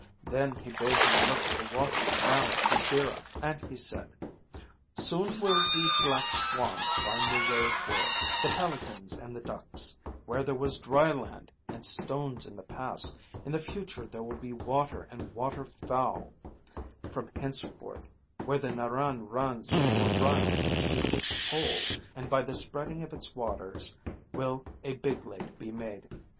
Then he bade them look at the water now at Boogira, and he said: "Soon will the black swans find their way here, the pelicans and the ducks; where there was dry land and stones in the past, in the future there will be water and water fowl, from henceforth; when the Narran runs it will run into this hole, and by the spreading of its waters will a big lake be made."